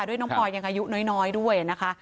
น้องพลอยยังอายุน้อยด้วยนะคะ